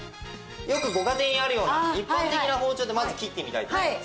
よくご家庭にあるような一般的な包丁でまず切ってみたいと思います。